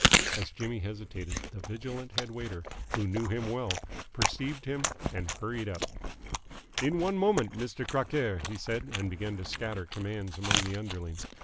As Jimmy hesitated, the vigilant head waiter, who knew him well, perceived him, and hurried up. "In one moment, Mister Crockaire!" he said, and began to scatter commands among the underlings.